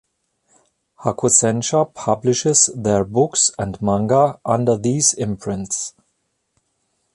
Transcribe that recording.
Hakusensha publishes their books and manga under these imprints.